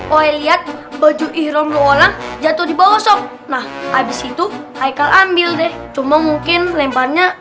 woi lihat baju ihrom jatuh di bawah sob nah habis itu aikal ambil deh cuma mungkin lempannya